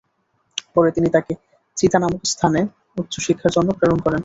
পরে তিনি তাকে চিতা নামক স্থানে উচ্চশিক্ষার জন্য প্রেরণ করেন।